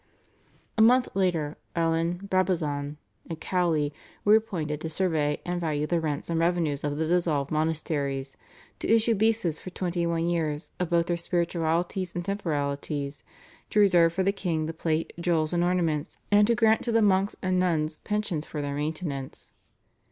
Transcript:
A month later Alen, Brabazon, and Cowley were appointed to survey and value the rents and revenues of the dissolved monasteries, to issue leases for twenty one years of both their spiritualities and temporalities, to reserve for the king the plate, jewels, and ornaments, and to grant to the monks and nuns pensions for their maintenance.